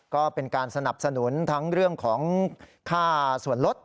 ก็เป็นการสนับสนุนทั้งเรื่องของค่าส่วนลด